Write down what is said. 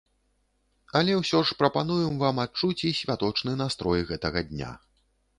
Але ўсё ж прапануем вам адчуць і святочны настрой гэтага дня.